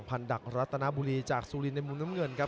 ดักรัตนบุรีจากสุรินในมุมน้ำเงินครับ